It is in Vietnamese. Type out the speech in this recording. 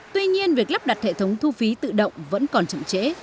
tuy nhiên việc lắp đặt hệ thống thu phí tự động vẫn còn chậm trễ